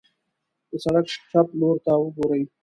د سړک چپ لورته وګورئ.